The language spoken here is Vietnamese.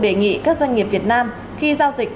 đề nghị các doanh nghiệp việt nam khi giao dịch